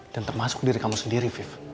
dan termasuk diri kamu sendiri vief